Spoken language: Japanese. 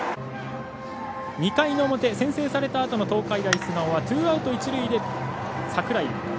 ２回の表先制されたあとの東海大菅生ツーアウト、一塁で櫻井。